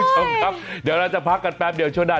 คุณผู้ชมครับเดี๋ยวเราจะพักกันแป๊บเดียวช่วงหน้า